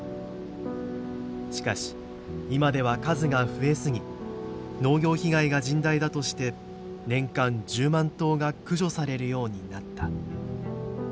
しかし今では数が増え過ぎ農業被害が甚大だとして年間１０万頭が駆除されるようになった。